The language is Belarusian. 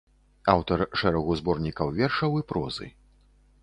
Аўтар шэрагу зборнікаў вершаў і прозы.